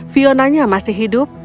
fiona masih hidup